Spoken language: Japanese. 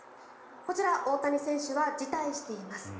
こちら、大谷選手は辞退しています。